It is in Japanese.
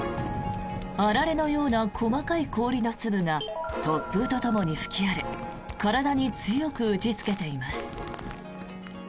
あられのような細かい氷の粒が突風とともに吹き荒れ体に強く打ちつけています。